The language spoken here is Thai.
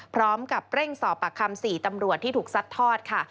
พร้อมกับเร่งสอบปากคำ๔ตำรวจที่ถูกซัดทอดค่ะ